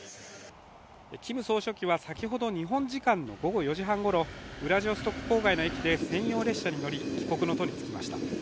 キム総書記は、先ほど日本時間の午後４時半ごろ、ウラジオストク郊外の駅で専用列車に乗り、帰国の途につきました。